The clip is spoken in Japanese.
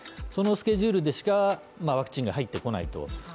そのスケジュールでしかワクチンが入ってこないと。